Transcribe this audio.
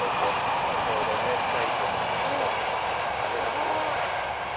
今ちょうど明太子と餅と揚げ玉とか入ってます。